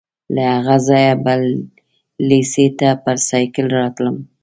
له هغه ځایه به لېسې ته پر سایکل راتلم.